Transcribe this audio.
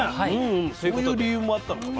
そういう理由もあったのかな。